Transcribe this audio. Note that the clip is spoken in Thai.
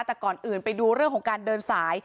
แต่ก่อนอื่นไปดูเรื่องของการเดินสาย